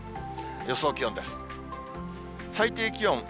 予想気温です。